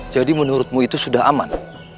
jadi menurutmu itu sudah aman